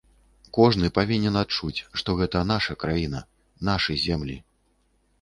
Кожны павінен адчуць, што гэта наша краіна, нашы землі.